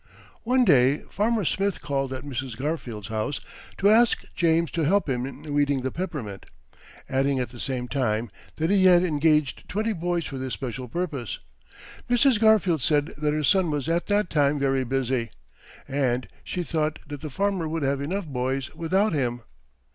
One day Farmer Smith called at Mrs. Garfield's house, to ask James to help him in weeding the peppermint, adding at the same time, that he had engaged twenty boys for this especial purpose. Mrs. Garfield said that her son was at that time very busy, and she thought that the farmer would have enough boys without him.